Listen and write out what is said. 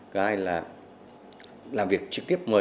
thứ hai là làm việc trực tiếp